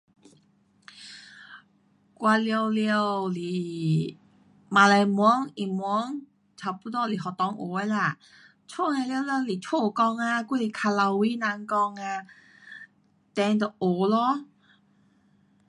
我全部是马来文，英文，差不多是学堂学的啦，剩的全部是家讲啊还是靠牢围人讲啊，then 就学咯。